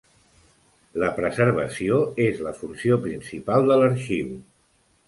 La preservació és la funció principal de l'arxiu.